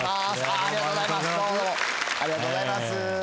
ありがとうございます。